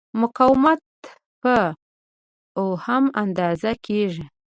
مقاومت په اوهم اندازه کېږي.